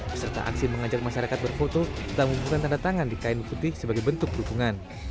peserta aksi mengajak masyarakat berfoto dan mengumpulkan tanda tangan di kain putih sebagai bentuk dukungan